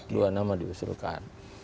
dua nama diusulkan